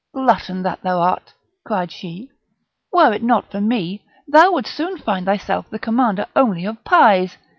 "Glutton that thou art!" cried she, "were it not for me, thou wouldst soon find thyself the commander only of pies.